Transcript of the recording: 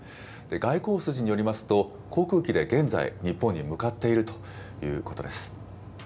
外交筋によりますと、航空機で現在、日本に向かっているということです。